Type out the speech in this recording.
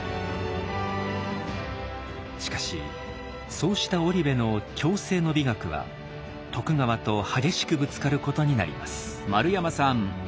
しかしそうした織部の「共生の美学」は徳川と激しくぶつかることになります。